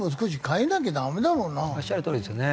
おっしゃるとおりですよね。